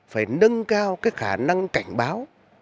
phải nâng cao cái khả năng cảnh báo